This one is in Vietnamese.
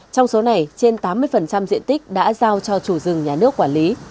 trong số này trên tám mươi diện tích đã giao cho chủ rừng nhà nước quản lý